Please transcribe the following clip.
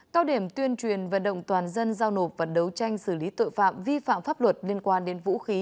cao điểm tuyên truyền vận động toàn dân giao nộp và đấu tranh xử lý tội phạm vi phạm pháp luật liên quan đến vũ khí